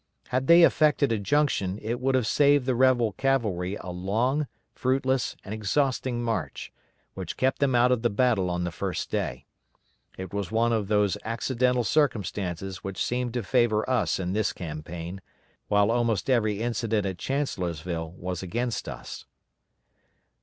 Had they effected a junction it would have saved the rebel cavalry a long, fruitless, and exhausting march, which kept them out of the battle on the first day. It was one of those accidental circumstances which seemed to favor us in this campaign, while almost every incident at Chancellorsville was against us.